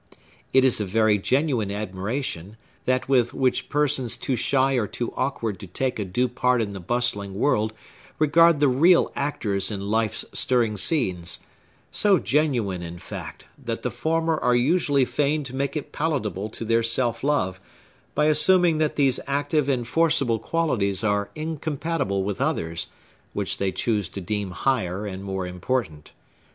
It is a very genuine admiration, that with which persons too shy or too awkward to take a due part in the bustling world regard the real actors in life's stirring scenes; so genuine, in fact, that the former are usually fain to make it palatable to their self love, by assuming that these active and forcible qualities are incompatible with others, which they choose to deem higher and more important.